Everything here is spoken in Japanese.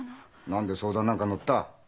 何で相談なんか乗った？